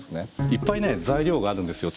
いっぱい材料があるんですよ